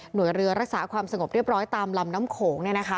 โดยเรือรักษาความสงบเรียบร้อยตามลำน้ำโขง